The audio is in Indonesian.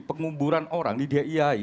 penghuburan orang di diai